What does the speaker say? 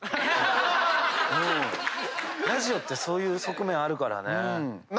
ラジオってそういう側面あるからね。